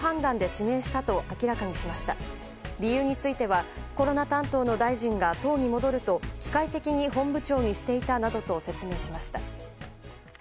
起用の理由についてはコロナ担当の大臣が党に戻ると機械的に本部長にしていたなどと説明しました。